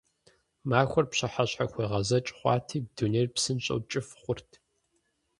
Махуэр пщыхьэщхьэ хуегъэзэкӀ хъуати, дунейр псынщӀэу кӀыфӀ хъурт.